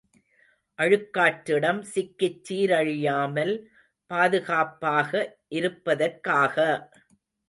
அழுக் காற்றிடம் சிக்கிச் சீரழியாமல் பாதுகாப்பாக இருப்பதற்காக!